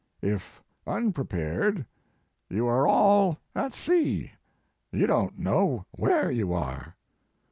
If unprepared, you are all at sea, you don t know where you are.